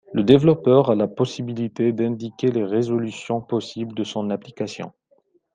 Le développeur a la possibilité d'indiquer les résolutions possibles de son application.